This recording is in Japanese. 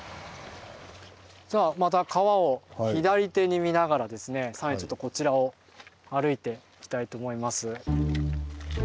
さあまた川を左手に見ながらですねちょっとこちらを歩いていきたいと思います。